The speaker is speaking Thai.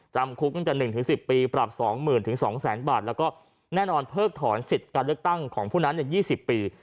จำคุกตั้งแต่๑๑๐ปีปรับ๒๐๐๐๒๐๐๐บาทแล้วก็แน่นอนเพิกถอนสิทธิ์การเลือกตั้งของผู้นั้น๒๐ปี